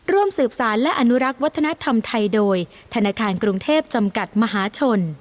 ร่วมสืบสารและอนุรักษ์วัฒนธรรมไทยโดยธนาคารกรุงเทพจำกัดมหาชน